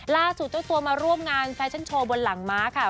ล่าสุดเจ้าตัวมาร่วมงานแฟชั่นโชว์บนหลังม้าค่ะ